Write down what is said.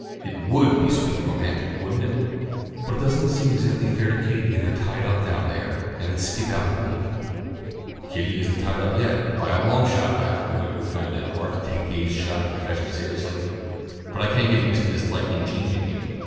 It would be sweet and romantic, wouldn't it? But it doesn't seem exactly fair to Kitty to get her tied up down there and then skip out and leave her." "Kitty isn't tied up yet, by a long shot," laughed Lloyd, who found it hard to take Gay's shy confession seriously. "But I can't get used to this lightning change in you.